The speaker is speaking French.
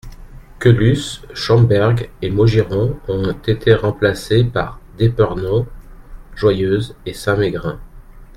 Quelus, Schomberg et Maugiron ont été remplacés par d’Épernon, Joyeuse et Saint-Mégrin.